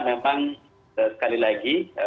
memang sekali lagi